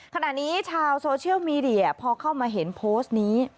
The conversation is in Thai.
ขณะนี้ชาวโซเชียลมีเดียพอเข้ามาเห็นโพสต์นี้